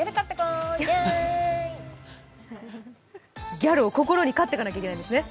ギャルを心に飼っていかないといけないんですね。